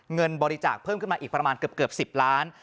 เงินบริจาคเพิ่มขึ้นมาอีกประมาณเกือบ๑๐ล้าน